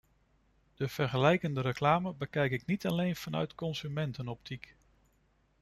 De vergelijkende reclame bekijk ik niet alleen vanuit consumentenoptiek.